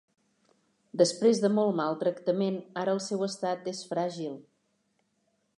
Després de molt maltractament ara el seu estat és fràgil.